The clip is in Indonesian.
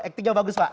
ektingnya bagus pak